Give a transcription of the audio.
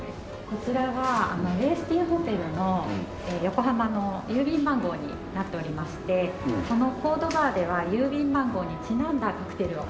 こちらがウェスティンホテルの横浜の郵便番号になっておりましてこのコード・バーでは郵便番号にちなんだカクテルを。